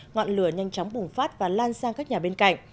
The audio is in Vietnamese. ngọn lửa nhanh chóng bùng phát và lan sang các nhà bên cạnh